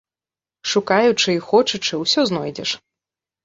Шукаючы і хочучы, усё знойдзеш.